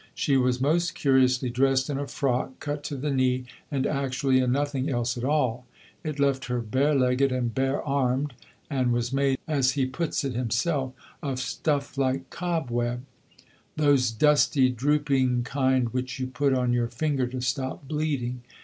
She was most curiously dressed in a frock cut to the knee, and actually in nothing else at all. It left her bare legged and bare armed, and was made, as he puts it himself, of stuff like cobweb: "those dusty, drooping kind which you put on your finger to stop bleeding."